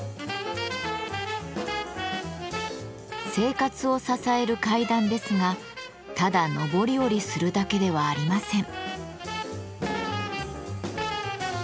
生活を支える階段ですがただ上り下りするだけではありません。